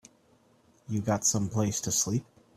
You got someplace to sleep?